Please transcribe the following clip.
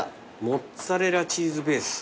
モッツァレラチーズベース。